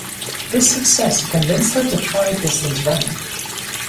This success convinced her to try distance running.